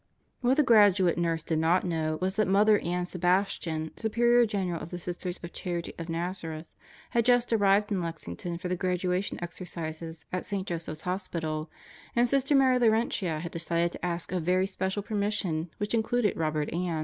What the Graduate Nurse did not know was that Mother Ann Sebastian, superior general of the Sisters of Charity of Nazareth, had just arrived in Lexington for the graduation exercises at St. Joseph's Hospital, and Sister Mary Laurentia had decided to ask a very special permission which included Robert Ann.